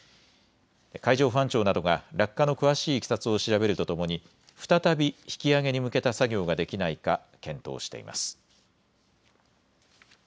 海上保安庁などが落下の詳しいいきさつを調べるとともに再び引き揚げに向けた作業ができないか検討しています。